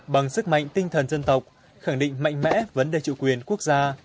bằng sức mạnh tinh thần dân tộc khẳng định mạnh mẽ vấn đề chủ quyền quốc gia